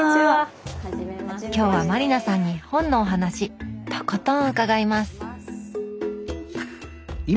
今日は満里奈さんに本のお話とことん伺います！